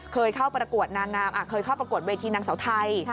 เคยเข้าประกวดนางงามเคยเข้าประกวดเวทีนางเสาไทย